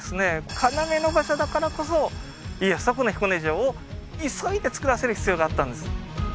要の場所だからこそ家康はこの彦根城を急いで造らせる必要があったんです